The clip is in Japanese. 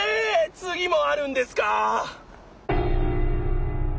つぎもあるんですか？